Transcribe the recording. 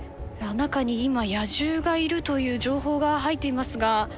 中に今野獣がいるという情報が入っていますが。